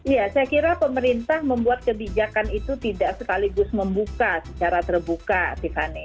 ya saya kira pemerintah membuat kebijakan itu tidak sekaligus membuka secara terbuka tiffany